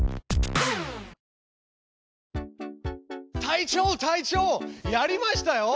隊長隊長やりましたよ。